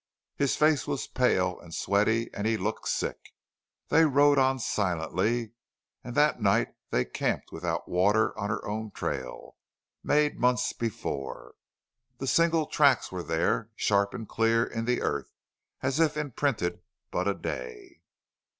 His face was pale and sweaty, and he looked sick. They rode on silently, and that night they camped without water on her own trail, made months before. The single tracks were there, sharp and clear in the earth, as if imprinted but a day.